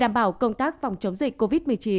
đảm bảo công tác phòng chống dịch covid một mươi chín